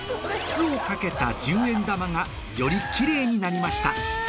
酢をかけた１０円玉がよりきれいになりました